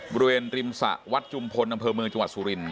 บริเวณริมสะวัดจุมพลอำเภอเมืองจุมพล